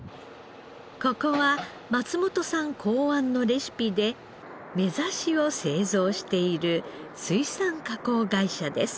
ここは松本さん考案のレシピでめざしを製造している水産加工会社です。